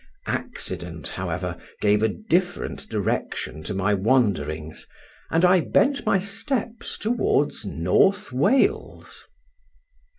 Accident, however, gave a different direction to my wanderings, and I bent my steps towards North Wales.